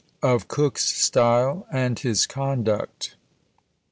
OF COKE'S STYLE, AND HIS CONDUCT.